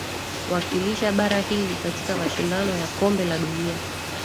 wakilisha bara hili katika mashindano ya kombe la dunia